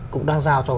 cũng đang giao cho